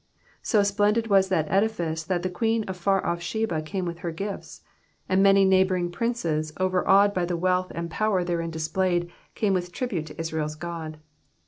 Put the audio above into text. So splendid was that edifice that the queen of far off Sheba came with her gifts ; and many neighbouring princes, overawedj by the wealth and power therem displayed, came with tribute to Israel's God.